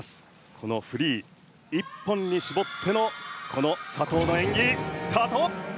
このフリー、１本に絞ってのこの佐藤の演技、スタート。